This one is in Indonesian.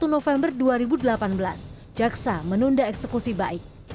satu november dua ribu delapan belas jaksa menunda eksekusi baik